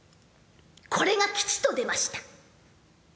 これが吉と出ました。